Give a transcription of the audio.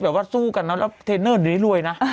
แบบว่าสู้กันแล้วเทรนเนอร์ได้เลยนะ